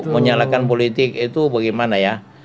menyalakan politik itu bagaimana ya